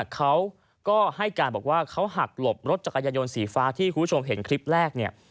เขาก็ให้การบอกว่าเขาหักหลบรถจักรยายนสีฟ้าที่คุณผู้ชมเห็นคลิปแรกเนี่ย